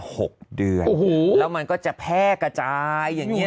หกเดือนแล้วมันก็จะแพร่กระจายอย่างเนี่ย